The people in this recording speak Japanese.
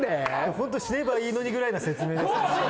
ホント死ねばいいのにぐらいな説明ですね。